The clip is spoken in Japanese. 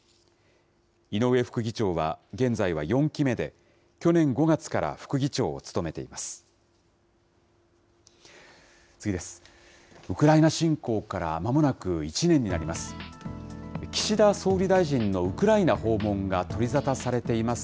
井上副議長は、現在は４期目で、去年５月から副議長を務めています。